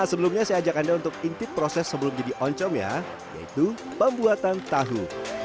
sebelumnya saya ajak anda untuk intip proses sebelum jadi oncom ya yaitu pembuatan tahu